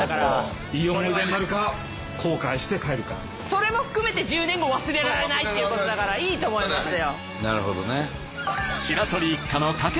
それも含めて１０年後忘れられないっていうことだからいいと思いますよ。